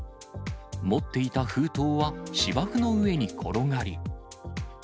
持っていた封筒は芝生の上に転がり。